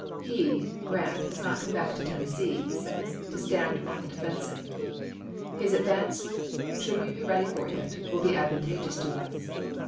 " He [Grant] has not come back to Tennessee," he says, " to stand on the defensive. His advance, should we be ready ibid., p. 294. for it, will be advantageous for us."